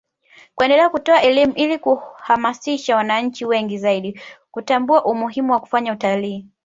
kuendelea kutoa elimu ili kuwahamasisha wananchi wengi zaidi kutambua umuhimu wa kufanya utalii